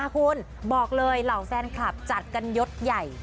คุณบอกเลยเหล่าแฟนคลับจัดกันยดใหญ่